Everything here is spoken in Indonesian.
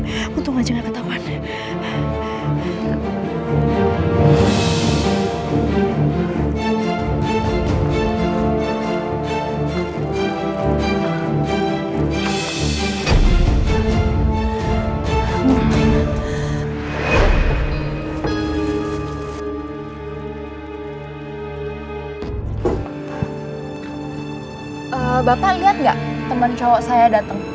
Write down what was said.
bapak lihat gak teman cowok saya dateng